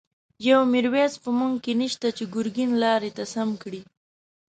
یو«میرویس» په مونږ کی نشته، چه گرگین لاری ته سم کړی